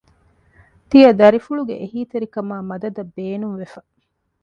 ތިޔަދަރިފުޅުގެ އެހީތެރިކަމާއި މަދަދަށް ބޭނުންވެފަ